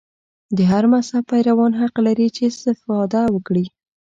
د هر مذهب پیروان حق لري چې استفاده وکړي.